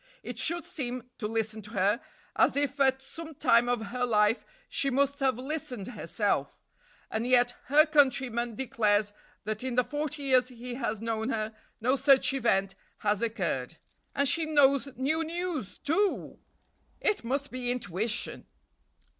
It should seem, to listen to her, as if at some time of her life she must have listened herself; and yet her countryman declares that in the forty years he has known her, no such event has occurred; and she knows new news, too! It must be intuition!...